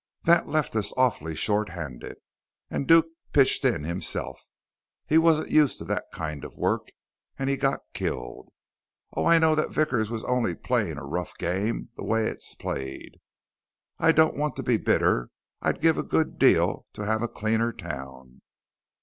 That left us awfully short handed, and Duke pitched in himself. He wasn't used to that kind of work, and he got killed.... Oh, I know that Vickers was only playing a rough game the way it's played. I don't want to be bitter. I'd give a good deal to have a cleaner town."